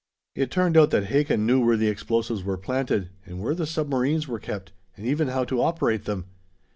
It turned out that Hakin knew where the explosives were planted, and where the submarines were kept, and even how to operate them.